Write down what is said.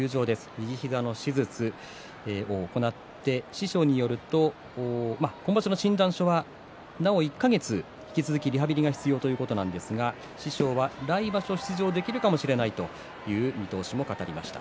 右膝の手術を行って師匠によると今場所の診断書はなお１か月引き続きリハビリが必要ということなんですが師匠は来場所、出場できるかもしれないという見通しも語りました。